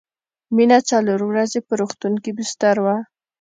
مينه څلور ورځې په روغتون کې بستر وه